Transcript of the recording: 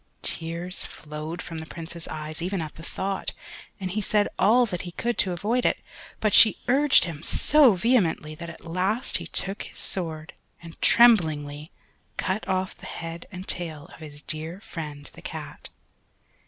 Tears flowed from the Prince's eyes even at the thought, and he said all that he could to avoid it, but she urged him so vehemently that at last he took his sword and tremblingly cut off the head and tail of his dear friend the Cat.